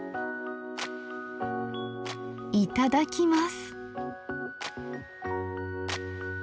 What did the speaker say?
いただきます！